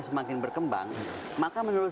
semakin berkembang maka menurut